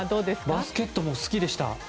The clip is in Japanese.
バスケットも好きでした。